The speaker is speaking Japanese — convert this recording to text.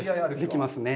できますね。